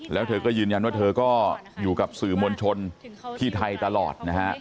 แล้วเธอก็ยืนยันว่าเธอก็อยู่กับสื่อมวลชนที่ไทยตลอดนะฮะ